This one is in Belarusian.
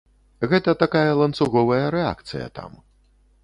Гэта такая ланцуговая рэакцыя там.